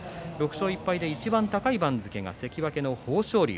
６勝１敗でいちばん高い番付が関脇の豊昇龍。